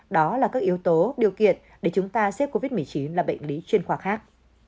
đó là các yếu tố điều kiện để chúng ta xếp covid một mươi chín là bệnh lý chuyên khoa khác